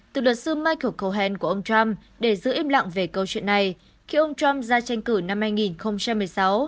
từ luật sư michel cohent của ông trump để giữ im lặng về câu chuyện này khi ông trump ra tranh cử năm hai nghìn một mươi sáu